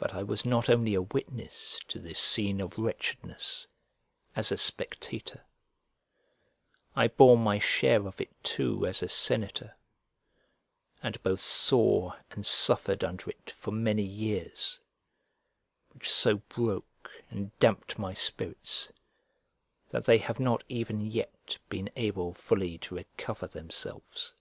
But I was not only a witness to this scene of wretchedness, as a spectator; I bore my share of it too as a senator, and both saw and suffered under it for many years; which so broke and damped my spirits that they have not even yet been able fully to recover themselves.